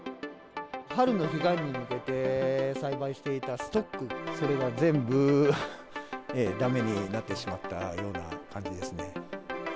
春の彼岸に向けて栽培していたストック、それが全部だめになってしまったような感じですね。